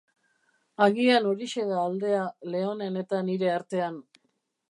Agian horixe da aldea Leonen eta nire artean.